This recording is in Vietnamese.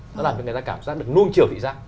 nó làm cho người ta cảm giác được nông chiều thị giác